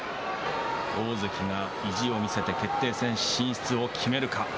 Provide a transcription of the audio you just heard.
大関が意地を見せて決定戦進出を決めるか。